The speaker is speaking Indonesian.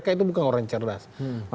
makanya dia adalah seorang yang berpengalaman